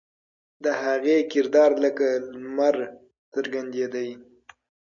د هغې کردار لکه لمر څرګندېده.